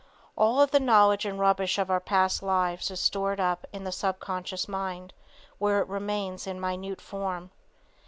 All the knowledge and rubbish of our past lives is stored up in the subconscious mind where it remains in minute form.